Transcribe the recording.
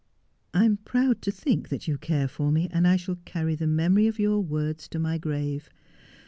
I am proud to think that you care for me, and I shall cany the memory of your words to my grave.